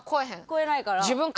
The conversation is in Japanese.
超えないから。